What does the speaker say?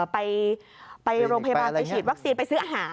ไปโรงพยาบาลไปฉีดวัคซีนไปซื้ออาหาร